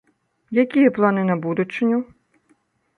Якія планы на будучыню?